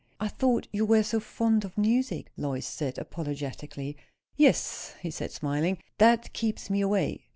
"I thought you were so fond of music" Lois said apologetically. "Yes," he said, smiling. "That keeps me away."